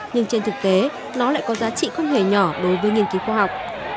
nhưng trên thực tế nó lại có giá trị không hề nhỏ đối với nghiên cứu khoa học